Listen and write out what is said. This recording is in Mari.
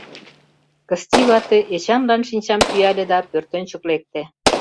Кысти вате Эчанлан шинчам пӱяле да пӧртӧнчык лекте.